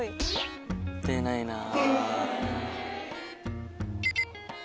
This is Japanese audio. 出ないなぁ。